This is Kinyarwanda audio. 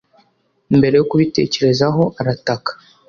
Mbere yo kubitekerezaho arataka